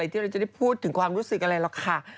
ที่เราจะได้พูดถึงความรู้สึกอะไรหรอกค่ะ